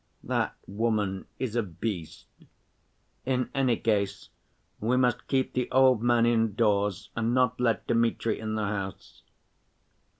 That woman is a beast. In any case we must keep the old man indoors and not let Dmitri in the house."